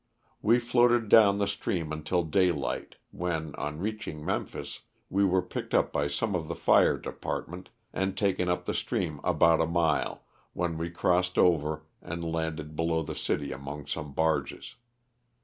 We floated down the stream until daylight, when, on reaching Memphis, we were picked up by some of the fire department and taken up the stream about a mile, when we crossed over and landed below the city among some barges.